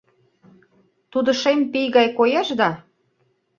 Тудо шем пий гай коеш да